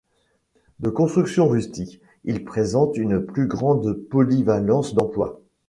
De construction rustique, il présente une plus grande polyvalence d’emploi.